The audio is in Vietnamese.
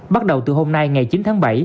bắt đầu từ hôm nay ngày chín tháng bảy